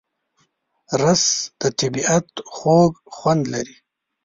رس د طبیعت خوږ خوند لري